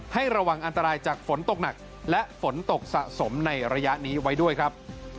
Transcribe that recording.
ให้ระวังอันตรายจากฝนตกหนักและฝนตกสะสมในระยะนี้ไว้ด้วยครับ